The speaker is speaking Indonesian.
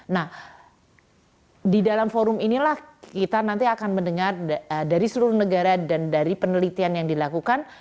nah di dalam forum inilah kita nanti akan mendengar dari seluruh negara dan dari penelitian yang dilakukan